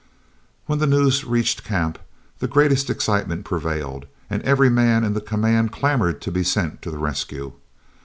When the news reached camp, the greatest excitement prevailed, and every man in the command clamored to be sent to the rescue.